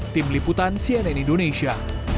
tim liputan cnn indonesia